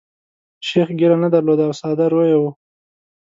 شیخ ږیره نه درلوده او ساده روی وو.